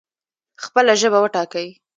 خپله ژبه وټاکئ